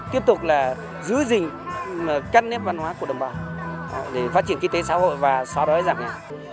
tiếp tục là giữ gìn cắt nếp văn hóa của đồng bào để phát triển kinh tế xã hội và xóa đói giảm nghèo